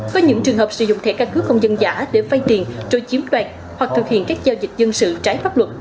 với những trường hợp sử dụng thẻ căn cứ công dân giả để phai tiền trôi chiếm đoạn hoặc thực hiện các giao dịch dân sự trái pháp luật